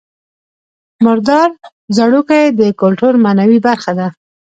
مردار ځړوکی د کولتور معنوي برخه ده